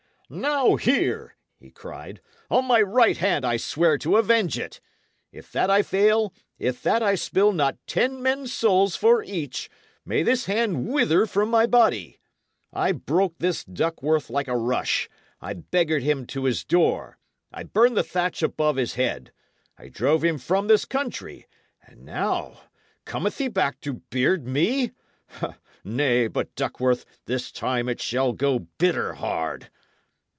"Now here," he cried, "on my right hand, I swear to avenge it! If that I fail, if that I spill not ten men's souls for each, may this hand wither from my body! I broke this Duckworth like a rush; I beggared him to his door; I burned the thatch above his head; I drove him from this country; and now, cometh he back to beard me? Nay, but, Duckworth, this time it shall go bitter hard!"